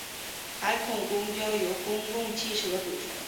海口公交由公共汽车组成。